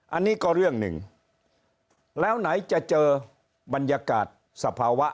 อันนี้ก็เรื่องหนึ่งแล้วไหนจะเจอบรรยากาศสภาวะ